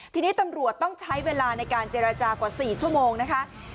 ทีนี้ตำรวจต้องใช้เวลาในการเจรจากว่า๔ชั่วโมงนะคะ